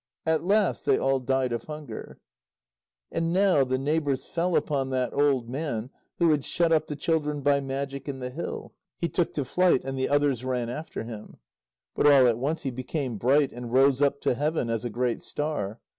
At last they all died of hunger. And now the neighbours fell upon that old man who had shut up the children by magic in the hill. He took to flight, and the others ran after him. But all at once he became bright, and rose up to heaven as a great star.